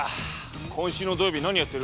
今週の土曜日何やってる？